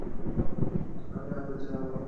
না, আমি আপডেট জানাব।